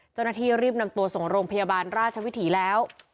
เจ้าหน้าที่รีบนำตัวส่งโรงพยาบาลราชวิถีแล้ว